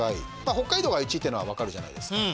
北海道が１位っていうのは分かるじゃないですか。